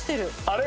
あれ？